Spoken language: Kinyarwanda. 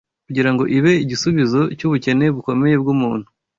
kugira ngo ibe igisubizo cy’ubukene bukomeye bw’umuntu